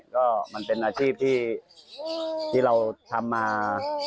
ก็มันเป็นอาชีพที่เราทำมา